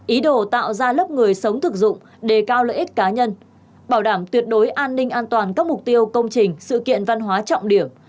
ý đồ tạo ra lớp người sống thực dụng đề cao lợi ích cá nhân bảo đảm tuyệt đối an ninh an toàn các mục tiêu công trình sự kiện văn hóa trọng điểm